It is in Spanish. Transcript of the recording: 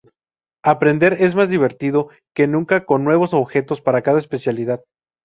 Aprender es más divertido que nunca con nuevos objetos para cada especialidad.